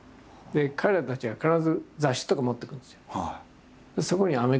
で彼らたちが必ず雑誌とか持ってくるんですよ。